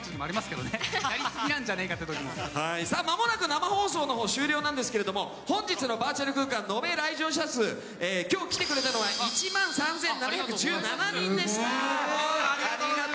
まもなく生放送のほうは終了なんですけども本日のバーチャル空間延べ来場者数、今日は１万３７１７人でした。